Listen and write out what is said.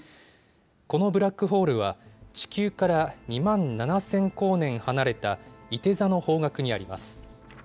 このブラックホールは、地球から２万７０００光年離れたいて座の方角にあります。